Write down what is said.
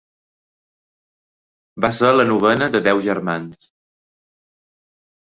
Va ser la novena de deu germans.